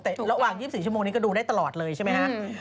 แต่ระหว่าง๒๔ชั่วโมงนี้ก็ดูได้ตลอดเลยใช่ไหมฮะ